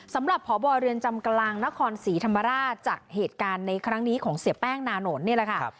สำหรับพบเรือนจำกลางนครศรีธรรมราชจากเหตุการณ์ในครั้งนี้ของเสียแป้งนานนท์นี่แหละค่ะ